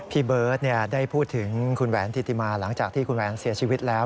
พี่เบิร์ตได้พูดถึงคุณแหวนธิติมาหลังจากที่คุณแหวนเสียชีวิตแล้ว